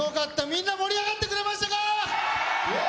みんな盛り上がってくれましたか？